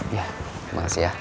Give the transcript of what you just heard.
ya makasih ya